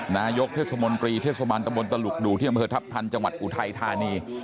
นายกเทศมนตรีเทศบาลโธมนตร์แต่ลูกดุที่เถียงพิวเถิบทัพทันจังหวัดอุทัยธานี